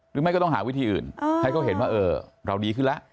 หรือไม่ก็ต้องหาวิธีอื่นให้เขาเห็นเพราะเราดีขึ้นละ